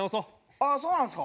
ああそうなんすか。